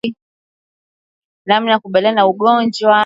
Namna yakukabiliana na ugonjwa wa kutupa mimba mifugo ipwe chanjo